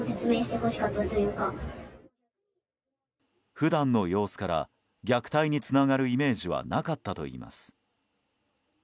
普段の様子から虐待につながるイメージはなかったといいます。